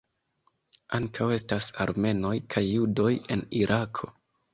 Ankaŭ estas armenoj kaj judoj en Irako.